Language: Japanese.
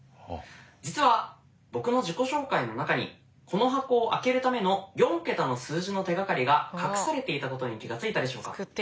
実は僕の自己紹介の中にこの箱を開けるための４桁の数字の手がかりが隠されていたことに気が付いたでしょうか。